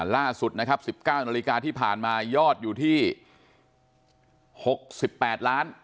ล่าสุด๑๙นที่ผ่านมายอดอยู่ที่๖๘ล้าน